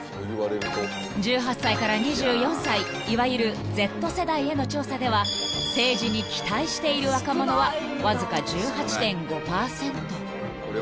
［１８歳から２４歳いわゆるＺ世代への調査では政治に期待している若者はわずか１８．５％］